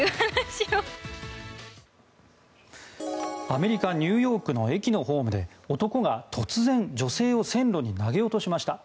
アメリカ・ニューヨークの駅のホームで男が突然、女性を線路に投げ落としました。